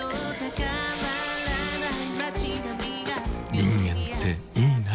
人間っていいナ。